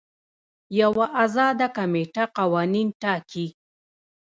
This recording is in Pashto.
یوه ازاده کمیټه قوانین ټاکي.